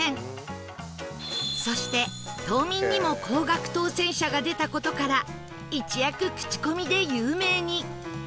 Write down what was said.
そして島民にも高額当せん者が出た事から一躍口コミで有名に